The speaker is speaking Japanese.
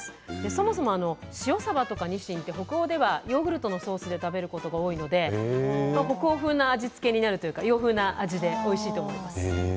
そもそも塩さばとか、にしんは北欧ではヨーグルトのソースで食べることが多いので北欧風の味付けになる洋風の味でおいしいと思います。